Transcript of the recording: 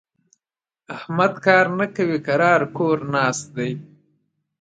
احمد کار نه کوي؛ کرار کور ناست دی.